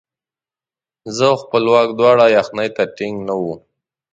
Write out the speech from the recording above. زه او خپلواک دواړه یخنۍ ته ټینګ نه وو.